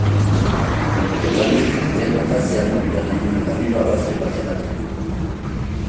Eta handik irten eta Zeanurira nahi nuen berriro, arrazoi bategatik.